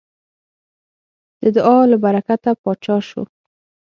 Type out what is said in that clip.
د دعا له برکته پاچا شو.